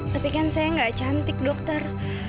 tapi kan saya nggak cantik dokter